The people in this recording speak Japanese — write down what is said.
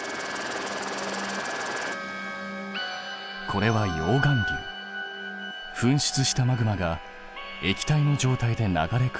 これは噴出したマグマが液体の状態で流れ下る。